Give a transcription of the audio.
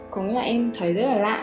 có nghĩa là em thấy rất là lạ